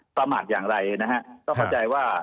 ประมาทอย่างไรนะฮะก็เข้าใจว่า